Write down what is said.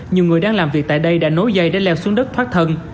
nhiều người đang làm việc tại đây đã nối dây để leo xuống đất thoát thân